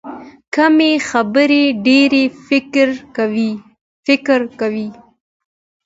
کمې خبرې، ډېر فکر کوي.